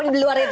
di luar itu